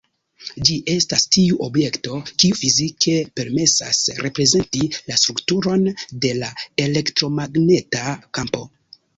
Ĝi estas tiu objekto, kiu fizike permesas reprezenti la strukturon de la elektromagneta kampo.